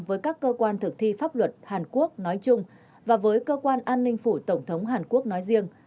với các cơ quan thực thi pháp luật hàn quốc nói chung và với cơ quan an ninh phủ tổng thống hàn quốc nói riêng